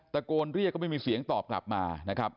ตะโกนเรียกก็ไม่มีเสียงตอบกลับมานะครับ